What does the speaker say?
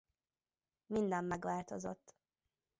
Minden megváltozott.